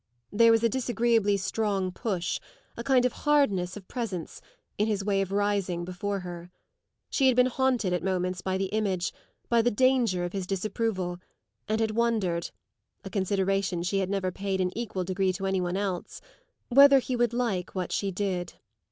There was a disagreeably strong push, a kind of hardness of presence, in his way of rising before her. She had been haunted at moments by the image, by the danger, of his disapproval and had wondered a consideration she had never paid in equal degree to any one else whether he would like what she did.